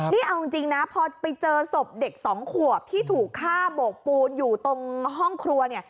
นี่เอาจริงนะพอไปเจอศพเด็กสองขวบที่ถูกฆ่าโบกปูนอยู่ตรงห้องครัวเนี่ย